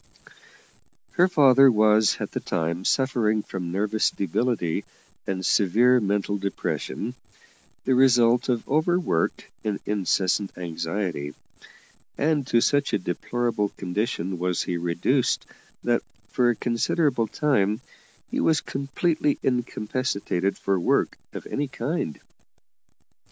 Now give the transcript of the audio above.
Her father was at the time suffering from nervous debility and severe mental depression, the result of over work and incessant anxiety; and to such a deplorable condition was he reduced that, for a considerable time, he was completely incapacitated for work of any kind.